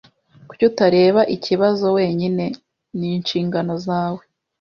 Kuki utareba ikibazo wenyine? Ninshingano zawe.